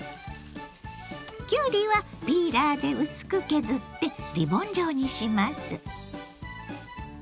きゅうりはピーラーで薄く削ってリボン状にします。